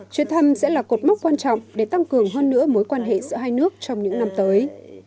chuyến thăm sẽ là cột mốc quan trọng để tăng cường hơn nữa mối quan hệ giữa hai nước trong những năm tới